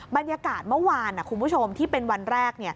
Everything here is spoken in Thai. บรรยากาศเมื่อวานคุณผู้ชมที่เป็นวันแรก